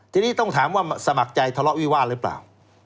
ทีนี้ต้องถามว่าสมัครใจทะเลาะวิวาสหรือเปล่า